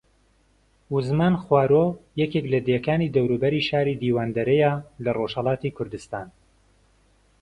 وزمان خوارۆ یەکێک لە دێکانی دەوروبەری شاری دیواندەرەیە لە ڕۆژھەڵاتی کوردستان